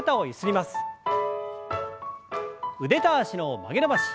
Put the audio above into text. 腕と脚の曲げ伸ばし。